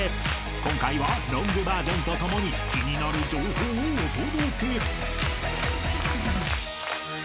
［今回はロングバージョンと共に気になる情報をお届け］